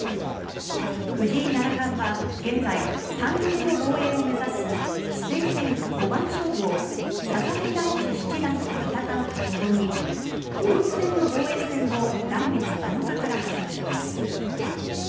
藤井七冠は現在３度目の防衛を目指す棋聖戦五番勝負を佐々木大地七段と戦うとともに王位戦の防衛戦も来月７日から始まります。